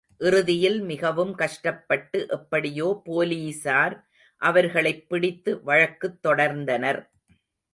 இறுதியில் மிகவும் கஷ்டப்பட்டு எப்படியோ போலீசார் அவர்களைப் பிடித்து வழக்குத் தொடர்ந்தனர்.